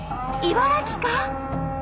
茨城か？